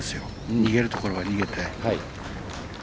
逃げるところは逃げて。